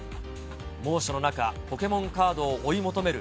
猛暑の中、ポケモンカードを追い求める